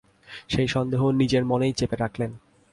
সেই সন্দেহ নিজের মনেই চেপে রাখলেন।